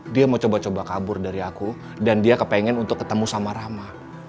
dia mau coba coba kabur dari aku dan dia kepengen untuk ketemu sama rama